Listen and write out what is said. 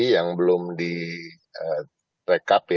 yang belum direkap ya